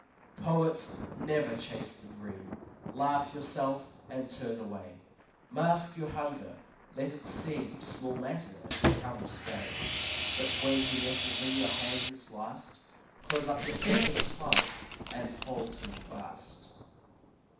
Poet, never chase the dream. Laugh yourself and turn away. Mask your hunger; let it seem Small matter if he come or stay; But when he nestles in your hand at last, Close up your fingers tight and hold him fast.